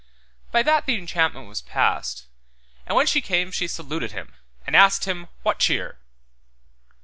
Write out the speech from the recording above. By that the enchantment was past, and when she came she saluted him, and asked him what cheer.